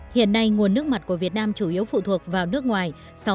hiện nay nguồn nước mặt của việt nam chủ yếu phụ thuộc vào nước ngoài sáu mươi ba